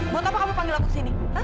buat apa kamu panggil aku sini